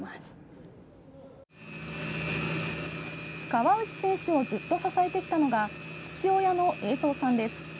河内選手をずっと支えてきたのが父親の栄造さんです。